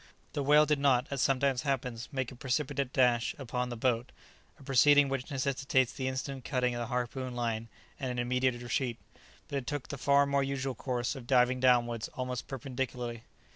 The whale did not, as sometimes happens, make a precipitate dash upon the boat, a proceeding which necessitates the instant cutting of the harpoon line, and an immediate retreat, but it took the far more usual course of diving downwards almost perpendicularly.